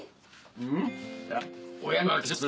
うん。